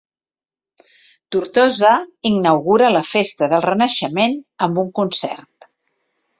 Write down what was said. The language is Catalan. Tortosa inaugura la Festa del Renaixement amb un concert